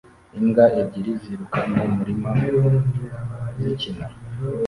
Imbwa ebyiri ziruka mu murima zikina